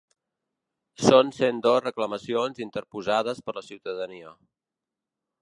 Són cent dos reclamacions interposades per la ciutadania.